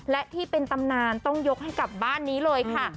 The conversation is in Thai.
และที่เป็นตำนานต้องยกให้กับบ้านนี้เลยค่ะ